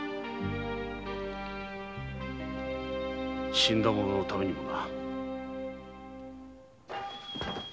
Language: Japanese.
死んだ者のためにもな。